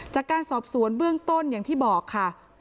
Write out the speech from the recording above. จากการสอบสวนเบื้องต้นอย่างที่บอกค่ะ